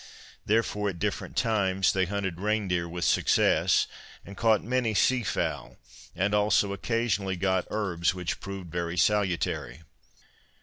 Therefore, at different times, they hunted rein deer with success, and caught many sea fowl; and also occasionally got herbs, which proved very salutary.